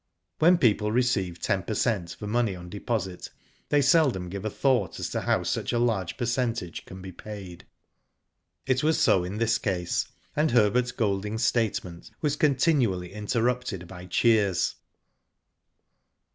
When people receive ten per cent, for money on deposit they seldom give a thought as to how such a large percentage can be paid. It was so in this case, and Herbert Golding's statement was continually interrupted by cheers.